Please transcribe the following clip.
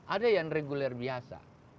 ada yang reguler biasa